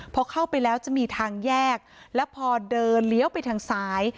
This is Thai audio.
พอเข้าไปแล้วจะมีทางแยกแล้วพอเดินเลี้ยวไปทางซ้าย